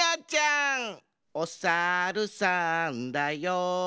「おさるさんだよ」